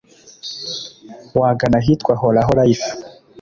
wagana ahitwa Horaho Life